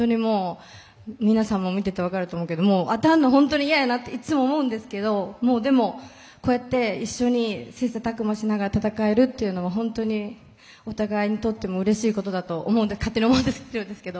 皆さんも見ていて分かると思うけど当たるの本当に嫌やなっていつも思いますがでも、こうやって一緒に切さたく磨しながら戦えるっていうのは本当に、お互いにとってもうれしいことだと勝手に思ってるんですけど。